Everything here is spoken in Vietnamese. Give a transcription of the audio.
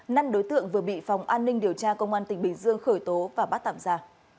năm đối tượng vừa bị phòng an ninh điều tra công an tỉnh bình dương khởi tố và bắt tạm ra